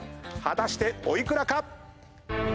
果たしてお幾らか⁉